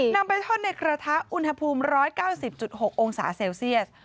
นำไปทอดในกระทะอุณหภูมิ๑๙๐๖องศาเซลเซียส